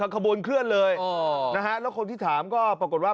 ขบวนเคลื่อนเลยนะฮะแล้วคนที่ถามก็ปรากฏว่า